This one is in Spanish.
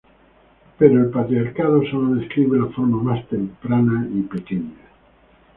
Pero el patriarcado sólo describe la forma más temprana y pequeña.